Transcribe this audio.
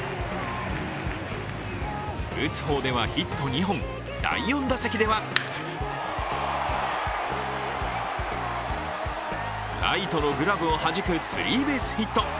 打つ方ではヒット２本、第４打席ではライトのグラブをはじくスリーベースヒット。